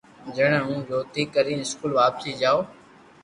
جڻي ھون ڇوٽي ڪرين اسڪول واپس جاتو